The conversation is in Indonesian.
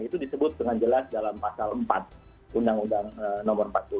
itu disebut dengan jelas dalam pasal empat undang undang nomor empat puluh